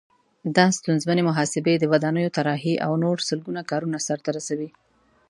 دا ستونزمنې محاسبې، د ودانیو طراحي او نور سلګونه کارونه سرته رسوي.